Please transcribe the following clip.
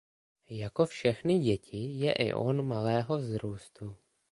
Jako všechny děti je i on malého vzrůstu.